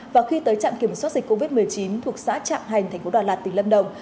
và khi tới trạm kiểm soát dịch covid một mươi chín thuộc xã trạm hành thành phố đà lạt tỉnh lâm đồng